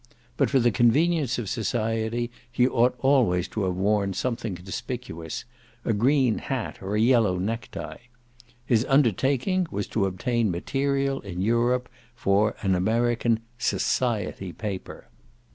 But for the convenience of society he ought always to have worn something conspicuous a green hat or a yellow necktie. His undertaking was to obtain material in Europe for an American "society paper."